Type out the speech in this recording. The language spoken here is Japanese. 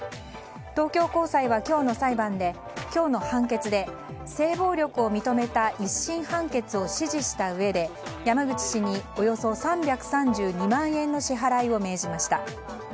東京高裁は今日の判決で性暴力を認めた１審判決を支持したうえで山口氏におよそ３３２万円の支払いを命じました。